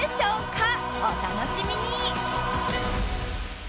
お楽しみに！